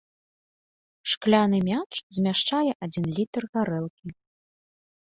Шкляны мяч змяшчае адзін літр гарэлкі.